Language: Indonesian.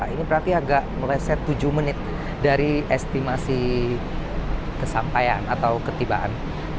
ini berarti agak meleset tujuh menit dari estimasi kesampaian atau ketibaan